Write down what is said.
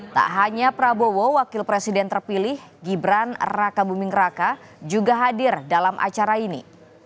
tak hanya prabowo wakil presiden terpilih gibran raka buming raka juga hadir dalam acara ini